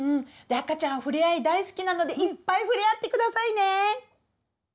赤ちゃんふれあい大好きなのでいっぱいふれあってくださいね！